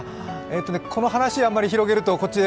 この話、あまり広げるとこっち